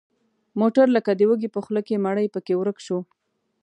موټر لکه د وږي په خوله کې مړۍ پکې ورک شو.